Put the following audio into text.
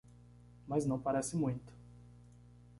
Mas não parece muito.